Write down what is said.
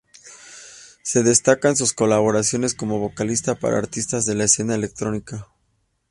Se destacan sus colaboraciones como vocalista para artistas de la escena electrónica.